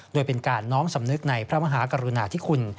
โดยเป็นการน้อมสำนึกในพระมหากรุณาธิคุณ